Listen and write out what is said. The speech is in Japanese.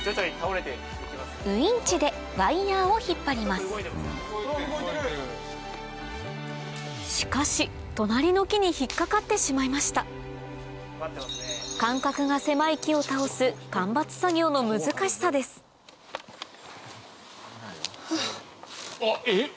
そしてしかし隣の木に引っ掛かってしまいました間隔が狭い木を倒す間伐作業の難しさですあっえっ？